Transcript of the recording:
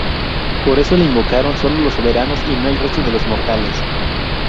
Por eso le invocaban solo los soberanos y no el resto de los mortales.